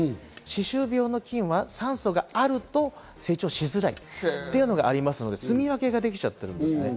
歯周病の菌は酸素があると成長しづらいというのがありますので、住み分けができちゃってるんです。